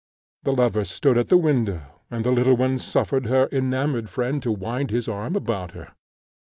The lovers stood at the window, and the little one suffered her enamoured friend to wind his arm about her.